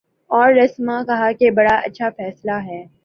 اور رسما کہا کہ بڑا اچھا فیصلہ ہے۔